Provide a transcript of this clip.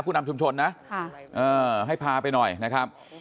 นำชุมชนนะให้พาไปหน่อยนะครับ